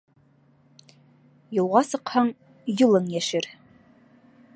Юлға сыҡһаң, юлың йәшер.